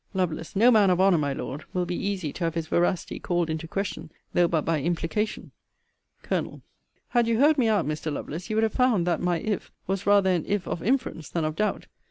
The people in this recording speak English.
Lovel. No man of honour, my Lord, will be easy to have his veracity called into question, though but by implication. Col. Had you heard me out, Mr. Lovelace, you would have found, that my if was rather an if of inference, than of doubt.